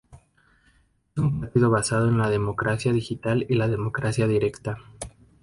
Es un partido basado en la democracia digital y la democracia directa.